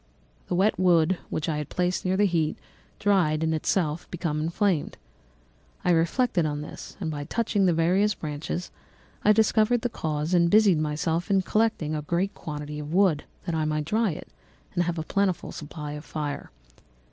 The wet wood which I had placed near the heat dried and itself became inflamed. I reflected on this, and by touching the various branches, I discovered the cause and busied myself in collecting a great quantity of wood, that I might dry it and have a plentiful supply of fire.